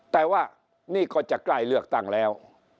แต่ว่านี่ก็จะใกล้เลือกตั้งแล้ว